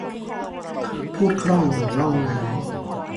พูดคล่องเหมือนล่องน้ำ